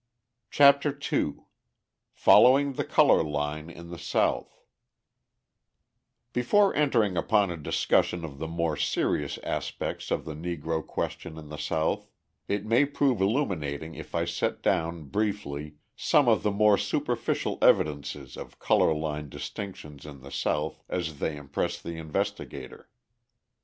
CHAPTER II FOLLOWING THE COLOUR LINE IN THE SOUTH Before entering upon a discussion of the more serious aspects of the Negro question in the South, it may prove illuminating if I set down, briefly, some of the more superficial evidences of colour line distinctions in the South as they impress the investigator.